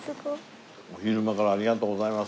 お昼間からありがとうございます。